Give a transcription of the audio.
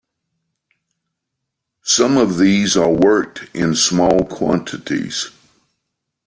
Some of these are worked in small quantities.